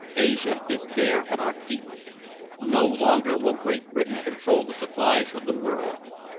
Asia is there at our feet. No longer will Great Britain control the supplies of the world.